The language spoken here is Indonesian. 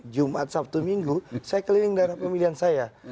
jumat sabtu minggu saya keliling daerah pemilihan saya